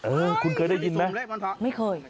เออคุณเคยได้ยินไหมไม่เคย